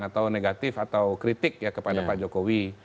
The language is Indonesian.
atau negatif atau kritik ya kepada pak jokowi